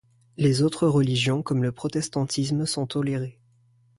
Les autres religions, comme le protestantisme sont tolérées.